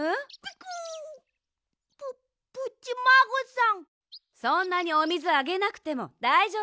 そんなにおみずあげなくてもだいじょうぶよ。